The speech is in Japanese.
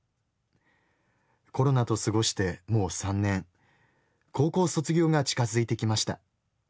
コロナと過ごしてもう３年高校卒業が近づいてきました。